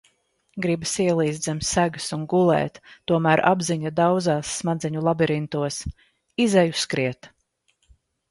Gribas ielīst zem segas un gulēt, tomēr apziņa dauzās smadzeņu labirintos. Izeju skriet.